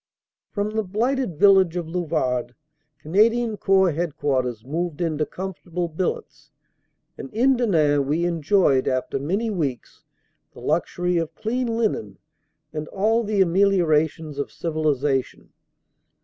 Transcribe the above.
From the blighted village of Lewarde Canadian Corps Headquarters moved into comfortable billets, and in Denain we enjoyed after many weeks the luxury of clean linen and all the ameliorations of civilization.